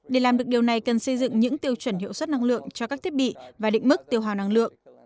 để làm được điều này cần xây dựng những tiêu chuẩn hiệu suất năng lượng cho các thiết bị và định mức tiêu hào năng lượng